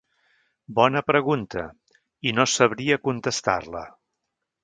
Bona pregunta i no sabria contestar-la.